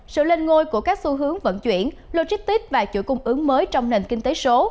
sự lên ngôi của các xu hướng vận chuyển logistic và chuỗi cung ứng mới trong nền kinh tế số